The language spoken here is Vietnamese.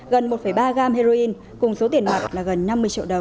gần một ba gam heroin cùng số tiền mạng là gần năm mươi triệu đồng